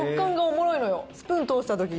スプーン通したとき